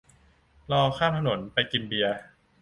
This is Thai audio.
รอข้ามถนน ไปกินเบียร์